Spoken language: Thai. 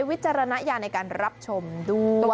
วิจารณายาในการรับชมดู